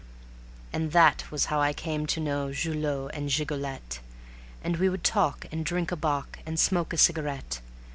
And that was how I came to know Julot and Gigolette, And we would talk and drink a bock, and smoke a cigarette.